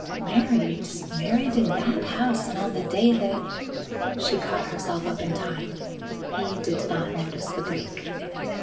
"Married! married in that house and on the day that " She caught herself up in time. He did not notice the break.